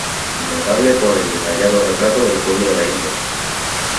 Notable por el detallado retrato del pueblo de la India.